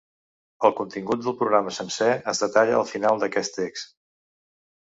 El contingut del programa sencer es detalla al final d’aquest text.